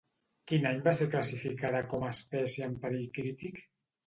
Quin any va ser classificada com a espècie en perill crític?